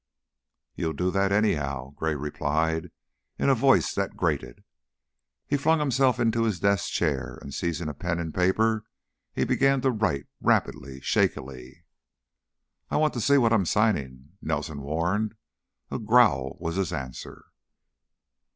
"You'll do that, anyhow," Gray replied, in a voice that grated. He flung himself into his desk chair and, seizing pen and paper, he began to write rapidly, shakily. "I want to see what I'm signing," Nelson warned. A growl was his answer.